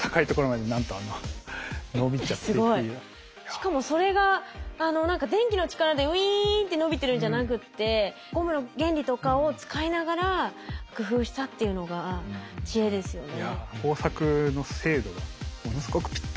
しかもそれが電気の力でウイーンって伸びてるんじゃなくってゴムの原理とかを使いながら工夫したっていうのが知恵ですよね。